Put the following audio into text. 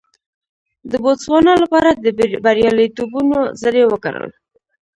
د بوتسوانا لپاره د بریالیتوبونو زړي وکرل.